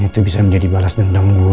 itu bisa menjadi balas dendam gue untuk lo